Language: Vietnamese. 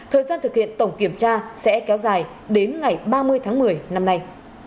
thời gian thực hiện tổng kiểm tra sẽ kéo dài đến ngày ba mươi tháng một mươi năm nay